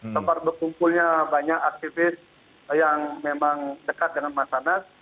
tempat berkumpulnya banyak aktivis yang memang dekat dengan masyarakat